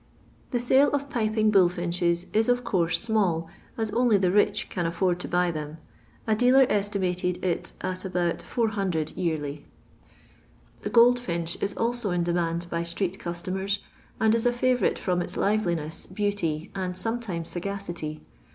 The sale of piping bullfinches is, of course, small, as only the rich can afford to buy them. A dealer estimated it at about 400 yearly. The Ooldfinch is also in demand by street cus tomers, and is a favourite firom its liveliness, beauty, and sometimes sagacity.